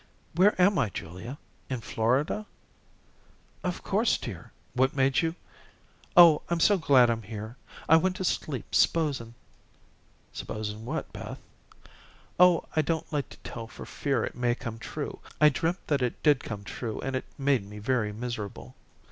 "Where am I, Julia? In Florida?" "Of course, dear. What made you " "Oh, I'm so glad I'm here. I went to sleep s'posing " "Supposing what, Beth?" "Oh, I don't like to tell for fear it may come true. I dreamed that it did come true and it made me very miserable."